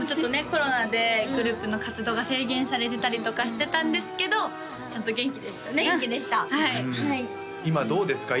コロナでグループの活動が制限されてたりとかしてたんですけどちゃんと元気でしたね元気でした今どうですか？